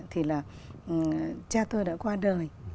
thì là cha tôi đã qua đời